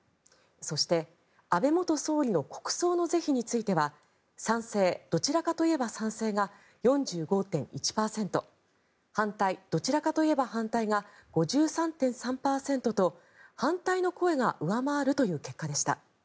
そして、安倍元総理の国葬の是非については賛成、どちらかといえば賛成が４５．１％反対、どちらかといえば反対が５３．３％と反対の声が上回るという結果でした。